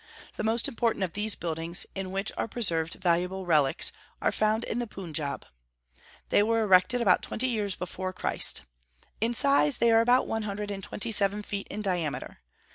The most important of these buildings, in which are preserved valuable relics, are found in the Punjab. They were erected about twenty years before Christ. In size, they are about one hundred and twenty seven feet in diameter.